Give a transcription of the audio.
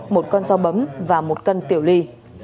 một con so bấm và một cân tiểu ly